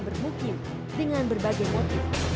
berhubung dengan berbagai motivasi